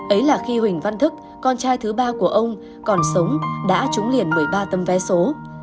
ấy là khi huỳnh văn thức con trai thứ ba của ông còn sống đã trúng liền một mươi ba tấm vé số